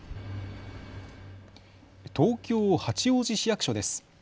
東京八王子市役所です。